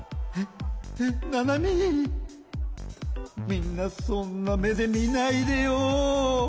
みんなそんな目で見ないでよ。